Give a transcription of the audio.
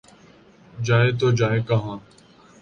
جائیں تو جائیں کہاں؟